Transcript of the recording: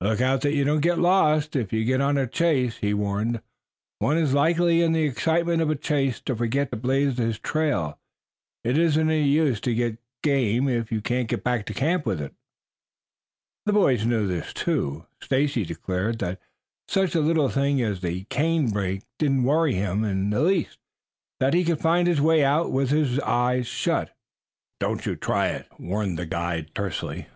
"Look out that you don't get lost if you get on a chase," he warned. "One is likely in the excitement of a chase to forget to blaze his trail. It isn't any use to get game if you can't get back to camp with it." The boys knew this, too. Stacy declared that such a little thing as the canebrake didn't worry him in the least; that he could find his way out with his eyes shut. "Don't try it," warned the guide tersely.